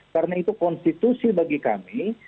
karena itu konstitusi bagi kami